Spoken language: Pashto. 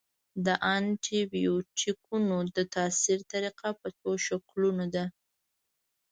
د انټي بیوټیکونو د تاثیر طریقه په څو شکلونو ده.